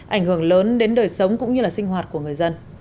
ảnh hưởng lớn đến đời sống cũng như là sinh hoạt của người dân